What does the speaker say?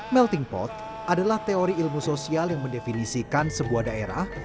melting pot adalah teori ilmu sosial yang mendefinisikan sebuah daerah